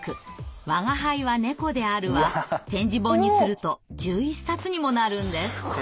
「吾輩は猫である」は点字本にすると１１冊にもなるんです。